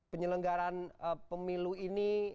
penyelenggaraan pemilu ini